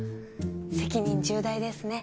責任重大ですね。